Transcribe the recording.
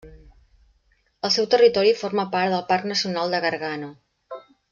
El seu territori forma part del Parc Nacional del Gargano.